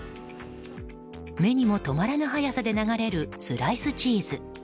目にも留まらぬ速さで流れるスライスチーズ。